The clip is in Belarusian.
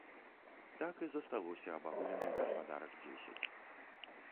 Так і засталося абагуленых гаспадарак дзесяць.